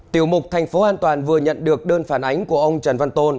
tiểu mục thành phố an toàn vừa nhận được đơn phản ánh của ông trần văn tôn